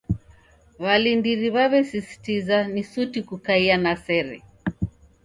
W'alindiri w'aw'esisitiza ni suti kukaiya na sere.